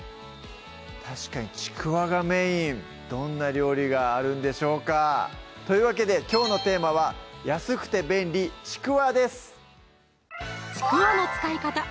確かにちくわがメインどんな料理があるんでしょうか？というわけできょうのテーマは「安くて便利！ちくわ」です